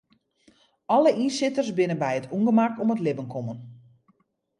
Alle ynsitters binne by it ûngemak om it libben kommen.